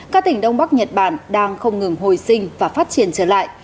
các tỉnh đông bắc nhật bản đang không ngừng hồi sinh và phát triển trở lại